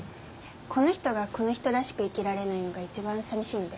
この人がこの人らしく生きられないのが一番寂しいんで。